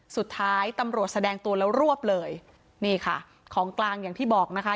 สุดท้ายตำรวจแสดงตัวแล้วรวบเลยนี่ค่ะของกลางอย่างที่บอกนะคะ